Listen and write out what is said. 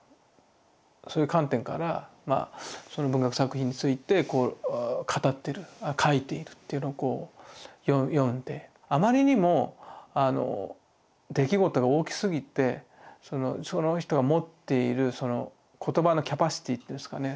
そういう観点から文学作品について語ってる書いているっていうのを読んであまりにも出来事が大きすぎてその人が持っている言葉のキャパシティーというんですかね